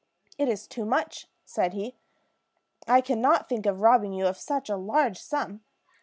"It is too much," said he; "I can not think of robbing you of such a large sum."